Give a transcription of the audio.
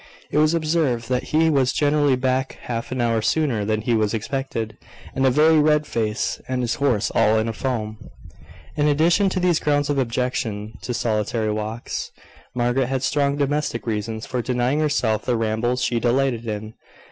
It was observed, that he was generally back half an hour sooner than he was expected, with a very red face, and his horse all in a foam. In addition to these grounds of objection to solitary walks, Margaret had strong domestic reasons for denying herself the rambles she delighted in.